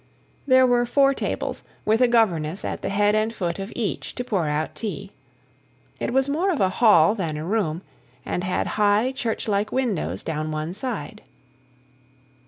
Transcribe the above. There were four tables, with a governess at the head and foot of each to pour out tea. It was more of a hall than a room and had high, church like windows down one side.